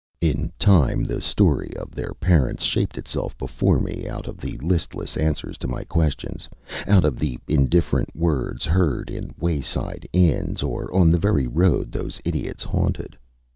In time the story of their parents shaped itself before me out of the listless answers to my questions, out of the indifferent words heard in wayside inns or on the very road those idiots haunted.